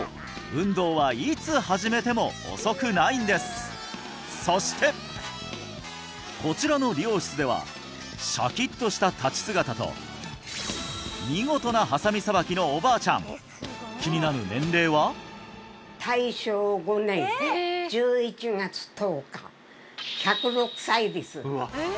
そうそしてこちらの理容室ではシャキッとした立ち姿と見事なハサミさばきのおばあちゃん気になる年齢は大正５年１１月１０日１０６歳です